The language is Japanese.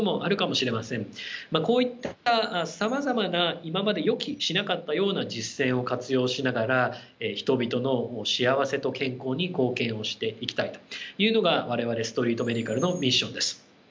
こういったさまざまな今まで予期しなかったような実践を活用しながら人々の幸せと健康に貢献をしていきたいというのが我々ストリート・メディカルのミッションです。